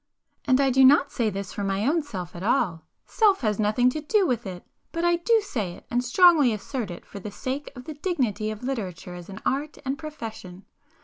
And I do not say this for my own self at all,—self has nothing to do with it,—but I do say it and strongly assert it for the sake of the dignity of Literature as an art and profession.